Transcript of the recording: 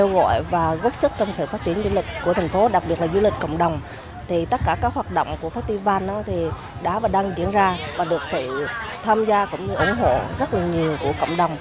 với gốc sức trong sự phát triển du lịch của thành phố đặc biệt là du lịch cộng đồng tất cả các hoạt động của thái văn đã và đang diễn ra và được sự tham gia cũng như ủng hộ rất nhiều của cộng đồng